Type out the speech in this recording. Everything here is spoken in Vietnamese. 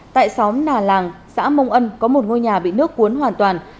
tại xóm nà làng xã mông ân có một ngôi nhà bị nước cuốn hoàn toàn